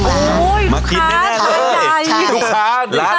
ใช่ไหม